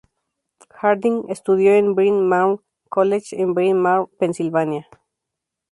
Harding estudió en el Bryn Mawr College, en Bryn Mawr, Pensilvania.